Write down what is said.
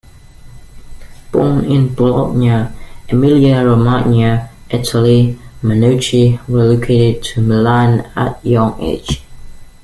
Born in Bologna, Emilia-Romagna, Italy, Mannucci relocated to Milan at a young age.